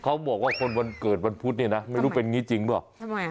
เขาบอกว่าคนวันเกิดวันพุธเนี่ยนะไม่รู้เป็นอย่างนี้จริงหรือเปล่า